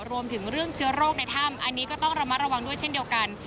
รวมถึงเรื่องเชื้อโรคในถ้ำอันนี้ก็ต้องระมัดระวังด้วยเช่นเดียวกัน